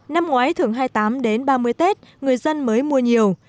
năm ngoái thường hai mươi tám đến ba mươi tết người dân mới mua nhiều